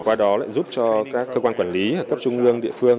qua đó lại giúp cho các cơ quan quản lý các trung ương địa phương